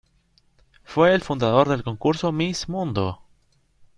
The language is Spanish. Fue el fundador del concurso Miss Mundo.